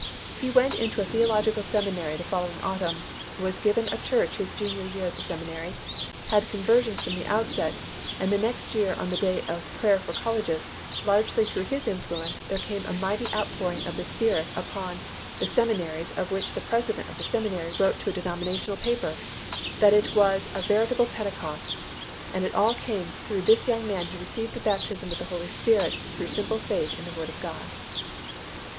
He went into a theological seminary the following autumn, was given a church his junior year in the seminary, had conversions from the outset, and the next year on the Day of Prayer for Colleges, largely through his influence there came a mighty outpouring of the Spirit upon the seminary of which the president of the seminary wrote to a denominational paper, that it was a veritable Pentecost, and it all came through this young man who received the baptism with the Holy Spirit through simple faith in the Word of God.